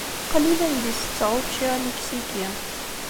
Qlil anda i setteɣ učči amiksiki.